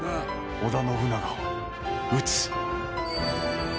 織田信長を討つ。